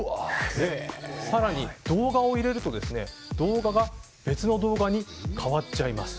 更に動画を入れると動画が別の動画に変わっちゃいます。